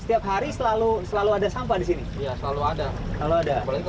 setiap hari selalu selalu ada sampah di sini ya selalu ada kalau ada kalau lihat